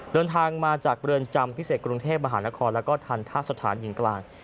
เดินทางมาจากเรือนจำพิเศษกรุงเทพมหานครแล้วก็ทันทะสถานหญิงกลาง